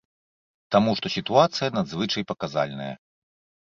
Таму што сітуацыя надзвычай паказальная.